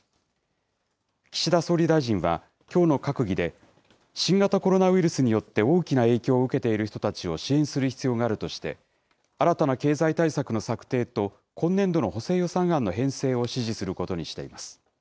岸田総理大臣は、きょうの閣議で、新型コロナウイルスによって大きな影響を受けている人たちを支援する必要があるとして、新たな経済対策の策定と、今年度の補正予算案の編成を指示することにしています。